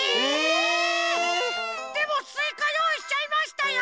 でもスイカよういしちゃいましたよ！